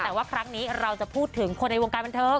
แต่ว่าครั้งนี้เราจะพูดถึงคนในวงการบันเทิง